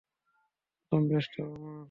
প্রথম বেসটাও আমার!